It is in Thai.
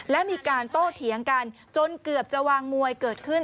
และมีการโต้เถียงกันจนเกือบจะวางมวยเกิดขึ้น